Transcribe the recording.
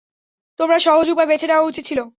তোমার সহজ উপায় বেছে নেওয়া উচিত ছিল।